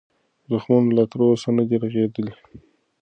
زخمونه لا تر اوسه نه دي رغېدلي.